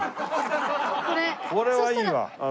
これはいいわ。